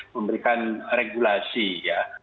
memberikan regulasi ya